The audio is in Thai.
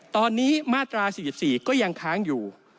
ตอนนี้มาตรา๔๔ก็ยังค้างอยู่